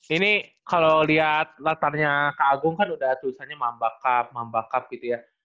ini kalo liat latarnya keagung kan udah tulisannya mamba cup mamba cup gitu ya